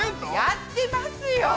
◆やってますよ。